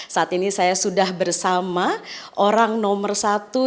saat ini saya sudah bersama orang nomor satu